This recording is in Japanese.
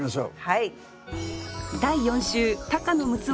はい！